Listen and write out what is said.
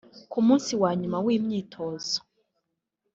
Ku munsi wa nyuma w’imyitozo